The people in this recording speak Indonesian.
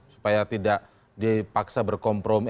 supaya tidak dipaksa berkompromi